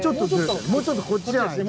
もうちょっとこっちじゃないと。